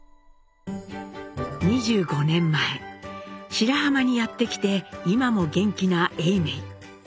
２５年前白浜にやって来て今も元気な永明。